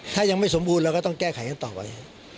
ถ้ายังไม่สมบูรณ์เราก็ต้องแก้ไขกันต่อไป